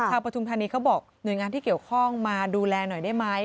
ปฐุมธานีเขาบอกหน่วยงานที่เกี่ยวข้องมาดูแลหน่อยได้ไหม